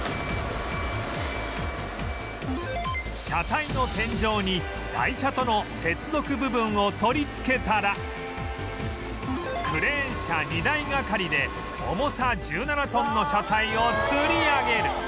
車体の天井に台車との接続部分を取り付けたらクレーン車２台がかりで重さ１７トンの車体をつり上げる